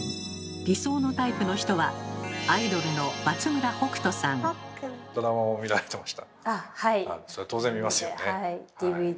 理想のタイプの人はアイドルのそりゃ当然見ますよね。